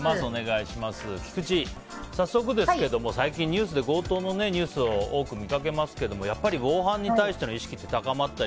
菊地、早速ですけども最近ニュースで強盗のニュースを多く見かけますけどやっぱり防犯に対しての意識って高まったり。